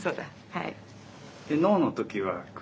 はい。